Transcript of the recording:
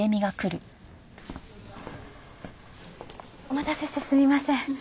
お待たせしてすみません。